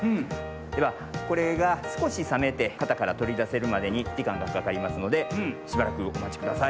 ではこれがすこしさめてかたからとりだせるまでにじかんがかかりますのでしばらくおまちください。